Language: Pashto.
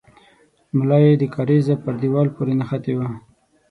ملا يې د کارېزه پر دېوال پورې نښتې وه.